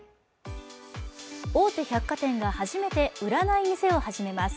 大手百貨店で初めて売らない店を始めます。